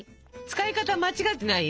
使い方間違っていない？